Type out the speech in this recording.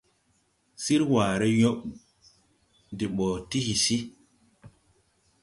Sir waaré yob de ɓɔ ti hisi.